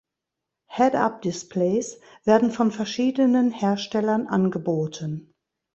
Head-up-Displays werden von verschiedenen Herstellern angeboten.